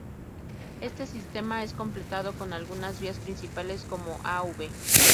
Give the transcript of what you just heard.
Este sistema es completado con algunas vías principales como: Av.